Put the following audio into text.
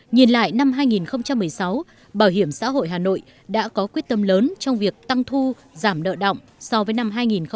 nhìn lại năm hai nghìn một mươi sáu bảo hiểm xã hội hà nội đã có quyết tâm lớn trong việc tăng thu giảm nợ động so với năm hai nghìn một mươi bảy